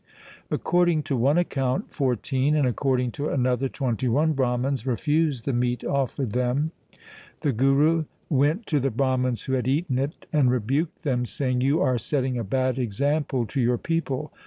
According to one account fourteen, and according to another twenty one Brahmans refused the meat offered them. The Guru went to the Brahmans who had eaten it, and rebuked them, saying, ' You are setting a bad example to your people.